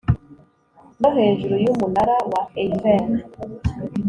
no hejuru y'umunara wa eiffel.